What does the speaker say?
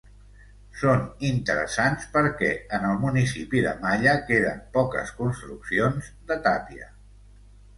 Són interessants perquè en el Municipi de Malla queden poques construccions de tàpia.